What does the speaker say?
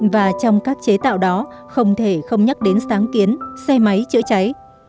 và trong các chế tạo đó không thể không nhắc đến sáng kiến xe máy chữa cháy